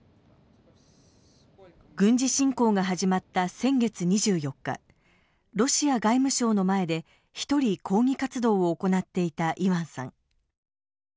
軍事侵攻が始まった先月２４日ロシア外務省の前で一人抗議活動を行っていたイワンさん。